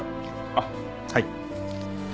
あっはい